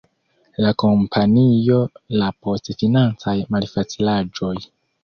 La kompanio la post financaj malfacilaĵoj.